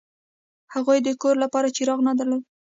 هغوی د کور لپاره څراغ هم نه درلود